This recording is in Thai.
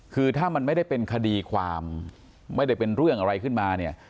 คือถ้ามันไม่ได้เป็นคดีความไม่ได้เป็นเรื่องอะไรขึ้นมาเนี่ย